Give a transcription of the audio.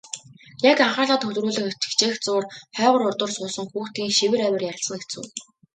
Яг анхаарлаа төвлөрүүлэн хичээх зуур хойгуур урдуур суусан хүүхдийн шивэр авир ярилцах нь хэцүү.